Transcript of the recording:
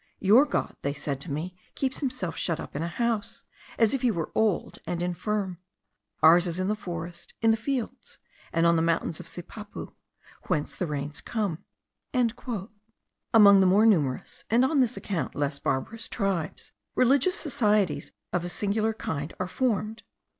'Your God,' said they to me, 'keeps himself shut up in a house, as if he were old and infirm; ours is in the forest, in the fields, and on the mountains of Sipapu, whence the rains come.'" Among the more numerous, and on this account less barbarous tribes, religious societies of a singular kind are formed.